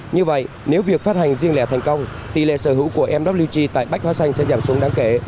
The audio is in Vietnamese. như vậy nếu việc phát hành riêng lẻ thành công tỷ lệ sở hữu của mw tại bách hóa xanh sẽ giảm xuống đáng kể